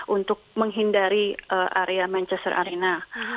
untuk menghindari area manchester arena